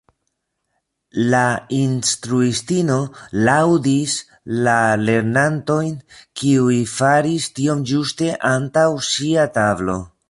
La instruistino laŭdis la lernantojn kiuj faris tiom ĝuste antaŭ ŝia tablo.